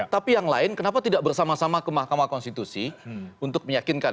tapi yang lain kenapa tidak bersama sama ke mahkamah konstitusi untuk meyakinkan